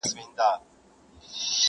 یو خوا وي ستا وصل او بل طرف روژه وي زما,